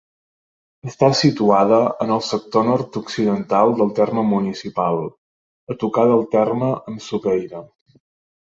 Està situada en el sector nord-occidental del terme municipal, a tocar del terme amb Sopeira.